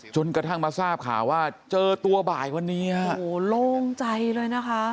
จนกระทั่งมาทราบข่าวว่าเจอตัวบ่ายวันนี้ฮะโอ้โหโล่งใจเลยนะคะ